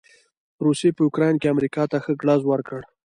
روسې په يوکراين کې امریکا ته ښه ګړز ورکړ.